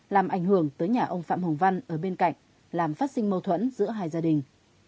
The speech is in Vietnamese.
làm ảnh hưởng tới nhà ông phạm hồng văn ở bên cạnh làm phát sinh mâu thuẫn giữa hai gia đình